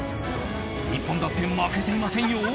日本だって負けていませんよ！